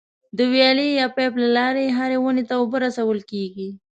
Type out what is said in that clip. د ویالې یا پایپ له لارې هرې ونې ته اوبه رسول کېږي.